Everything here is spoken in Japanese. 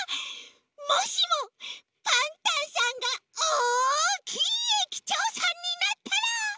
もしもパンタンさんがおおきいえきちょうさんになったら。